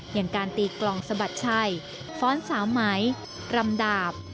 อย่างการตีกล่องสะบัดชัยฟ้อนสาวไหมรำดาบ